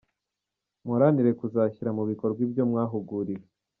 Muharanire kuzashyira mu bikorwa ibyo mwahuguriwe”.